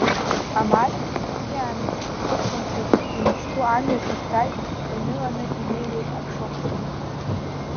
Амарч зывҵиааны, ихәыҵламсаӡа инашьҭу амҩа қьаԥҭажә ианыланы инеиуеит аԥшыхәцәа…